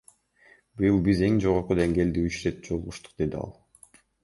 Быйыл биз эң жогорку деңгээлде үч ирет жолугуштук, — деди ал.